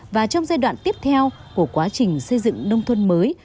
và trong giai đoạn tiếp theo của quá trình xây dựng nông thôn mới